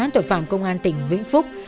tội phạm công an tỉnh vĩnh phúc